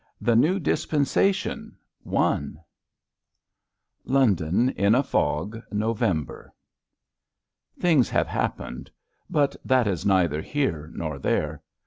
THE NEW DISPENSATION— I LONDON IN A FOG— NOVEMBER rilHINGS have happened— but that is neither ^ here nor there.